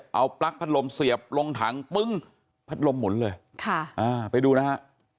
เอาปลั๊กพัดลมเสียบลงถังปึ้งพัดลมหมุนเลยค่ะอ่าไปดูนะฮะ